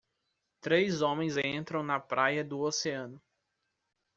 Três homens entram na praia do oceano.